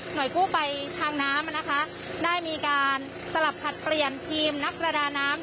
โดยกู้ภัยทางน้ำนะคะได้มีการสลับผลัดเปลี่ยนทีมนักประดาน้ำ